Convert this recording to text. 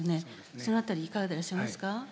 その辺りいかがでらっしゃいますか？